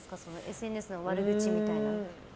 ＳＮＳの悪口みたいなのは。